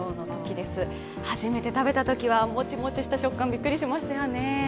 初めて食べたときはもちもちした食感びっくりしましたよね。